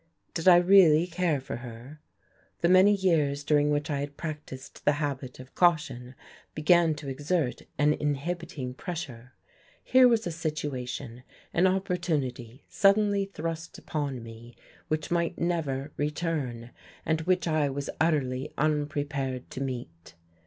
Did I really care for her? The many years during which I had practised the habit of caution began to exert an inhibiting pressure. Here was a situation, an opportunity suddenly thrust upon me which might never return, and which I was utterly unprepared to meet.